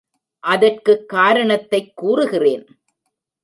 அதற்குக் காரணத்தைக் கூறுகிறேன்.